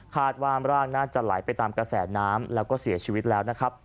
คาดว่าร่างน่าจะไหลไปตามกระแสน้ำแล้วก็เสียชีวิตแล้วนะครับ